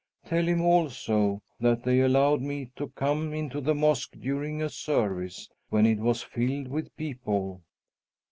Tell him, also, that they allowed me to come into the mosque during a service, when it was filled with people.